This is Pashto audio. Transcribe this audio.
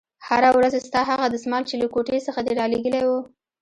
هره ورځ ستا هغه دسمال چې له کوټې څخه دې رالېږلى و.